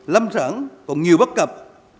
lâm sản còn nhiều bất cập